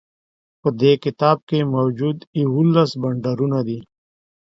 په دې کتاب کی موجود یوولس بانډارونه دي